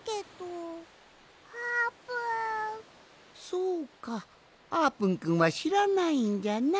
そうかあーぷんくんはしらないんじゃな。